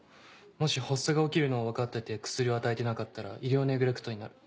もし発作が起きるのを分かってて薬を与えてなかったら医療ネグレクトになる。